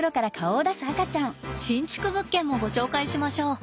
新築物件もご紹介しましょう。